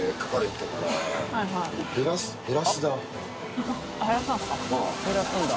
きむ）減らすんだ。